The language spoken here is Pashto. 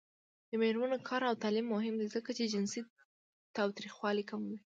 د میرمنو کار او تعلیم مهم دی ځکه چې جنسي تاوتریخوالی کموي.